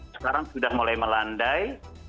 sekarang sudah mulai melandai